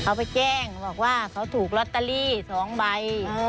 อันดับสุดท้าย